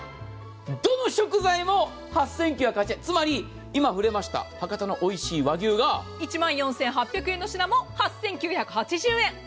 どの食材も８９８０円、つまり今触れました博多のおいしい和牛が１万４８００円の品も８９８０円。